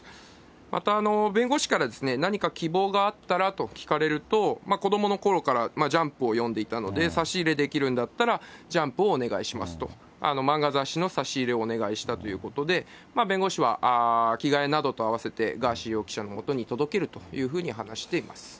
また、弁護士から何か希望があったらと聞かれると、子どものころからジャンプを読んでいたので、差し入れできるんだったら、ジャンプをお願いしますと、漫画雑誌の差し入れをお願いしたということで、弁護士は着替えなどと合わせて、ガーシー容疑者のもとに届けるというふうに話しています。